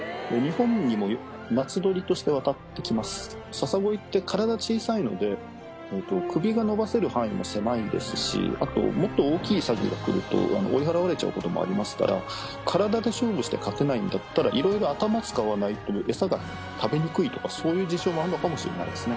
ササゴイって体小さいので首が伸ばせる範囲も狭いですしあともっと大きいサギが来ると追い払われちゃうこともありますから体で勝負して勝てないんだったら色々頭使わないと餌が食べにくいとかそういう事情があるのかもしれないですね。